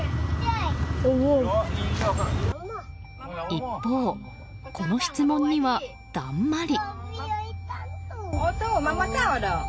一方、この質問には、だんまり。